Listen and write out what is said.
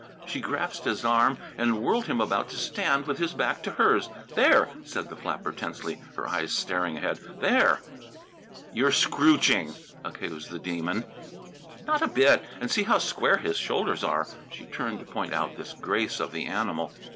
She grasped his arm and whirled him about to stand with his back to hers. "There!" said the flapper tensely, her eyes staring ahead. "There!" "You're scrooching!" accused the Demon. "Not a bit! and see how square his shoulders are!" She turned to point out this grace of the animal.